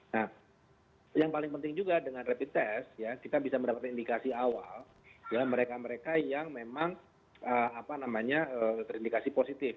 nah yang paling penting juga dengan rapid test kita bisa mendapatkan indikasi awal ya mereka mereka yang memang terindikasi positif